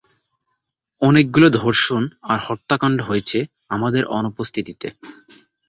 অনেকগুলো ধর্ষণ আর হত্যাকান্ড হয়েছে আমাদের অনুপস্থিতিতে।